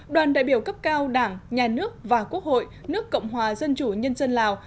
đoàn đại biểu cấp cao đảng nhà nước và quốc hội nước cộng hòa dân chủ nhân dân lào